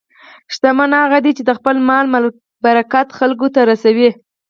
شتمن هغه دی چې د خپل مال برکت خلکو ته رسوي.